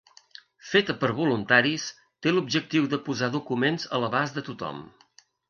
Feta per voluntaris, té l'objectiu de posar documents a l'abast de tothom.